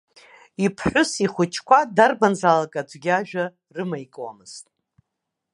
Иԥҳәыс, ихәыҷқәа, дарбанзаалак аӡәгьы ажәа рымаикуамызт.